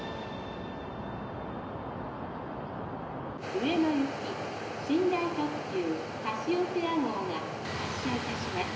「上野行き寝台特急カシオペア号が発車致します。